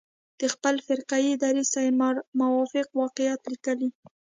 د خپل فرقه يي دریځ سره موافق واقعات لیکلي.